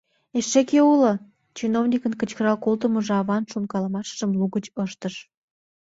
— Эше кӧ уло? — чиновникын кычкырал колтымыжо аван шонкалымыжым лугыч ыштыш.